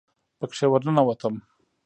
پکښې ورننوتم.